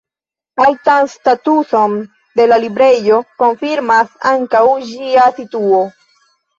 Altan statuson de la librejo konfirmas ankaŭ ĝia situo.